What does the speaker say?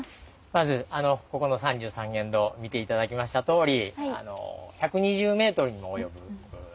まずここの三十三間堂見て頂きましたとおり１２０ｍにも及ぶ長いお堂